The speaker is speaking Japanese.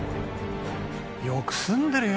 よく住んでるよな